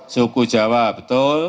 suku jawa betul